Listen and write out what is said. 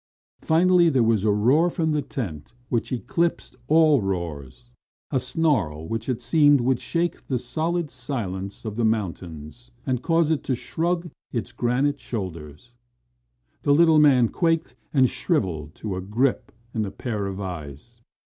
Finally, there was a roar from the tent which eclipsed all roars; a snarl which it seemed would shake the stolid silence of the mountain and cause it to shrug its granite shoulders. The little man quaked and shrivelled to a grip and a pair of eyes.